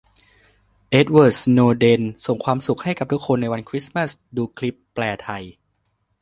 เอ็ดเวิร์ด สโนว์เดน ส่งความสุขให้กับทุกคนในวันคริสต์มาส - ดูคลิป : แปลไทย